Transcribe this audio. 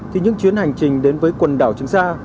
thì những chuyến hành trình đến với quần đảo trường sa